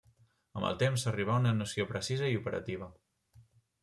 Amb el temps, s'arribà a una noció precisa i operativa.